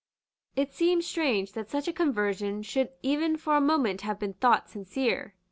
It seems strange that such a conversion should even for a moment have been thought sincere.